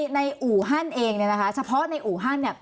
อู่ฮั่นเองเนี่ยนะคะเฉพาะในอู่ฮั่นเนี่ย